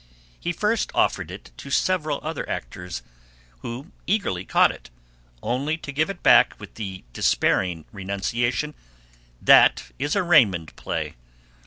He first offered it to several other actors, who eagerly caught it, only to give it back with the despairing renunciation, "That is a Raymond play."